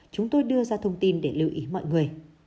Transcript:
chúng tôi đưa ra thông tin để lưu ý mọi người